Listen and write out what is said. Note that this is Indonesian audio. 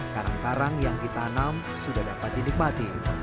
karang karang yang ditanam sudah dapat dinikmati